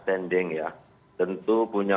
standing ya tentu punya